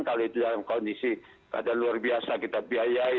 kalau itu dalam kondisi keadaan luar biasa kita biayai